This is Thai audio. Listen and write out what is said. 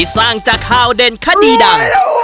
สร้างจากข่าวเด่นคดีดัง